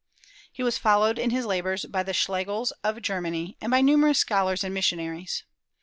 He was followed in his labors by the Schlegels of Germany, and by numerous scholars and missionaries.